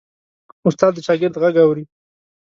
استاد د شاګرد غږ اوري.